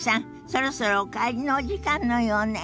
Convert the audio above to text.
そろそろお帰りのお時間のようね。